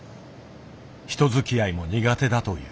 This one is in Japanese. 人づきあいも苦手だという。